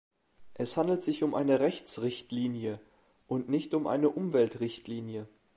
Es handelt sich um eine Rechtsrichtlinie und nicht um eine Umweltrichtlinie.